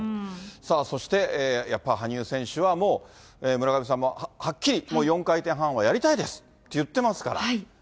さあそして、やっぱり羽生選手はもう、村上さんもはっきり、４回転半はやりたいですって言ってますから。